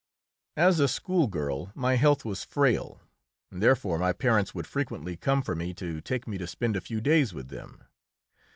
As a schoolgirl my health was frail, and therefore my parents would frequently come for me to take me to spend a few days with them.